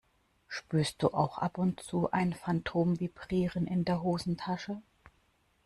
Spürst du auch ab und zu ein Phantomvibrieren in der Hosentasche?